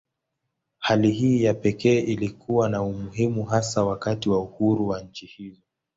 Hali hii ya pekee ilikuwa na umuhimu hasa wakati wa uhuru wa nchi hizo.